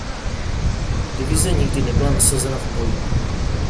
Divize nikdy nebyla nasazena v boji.